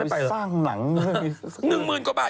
ไปสร้างหนังหนึ่งสักครั้ง